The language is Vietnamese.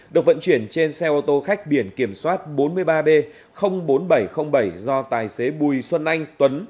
được vận chuyển trên xe ô tô khách biển kiểm soát bốn mươi ba b bốn nghìn bảy trăm linh bảy do tài xế bùi xuân anh tuấn